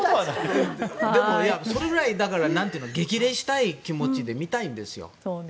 それぐらい激励したい気持ちで見たいんですよ。